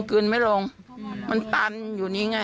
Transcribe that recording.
ลืนไม่ลงมันตันอยู่นี่ไง